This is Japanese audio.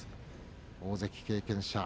大関経験者。